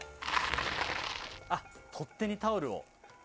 取っ手にタオルを。